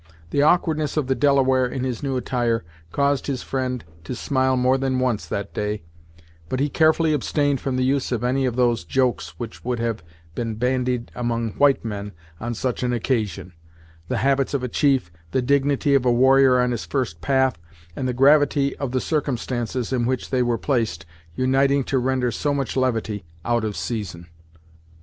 The awkwardness of the Delaware in his new attire caused his friend to smile more than once that day, but he carefully abstained from the use of any of those jokes which would have been bandied among white men on such an occasion, the habits of a chief, the dignity of a warrior on his first path, and the gravity of the circumstances in which they were placed uniting to render so much levity out of season.